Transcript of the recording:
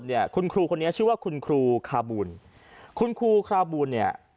เนี่ยคุณครูคนนี้ชื่อว่าคุณครูคาบูลคุณครูคาบูลเนี่ย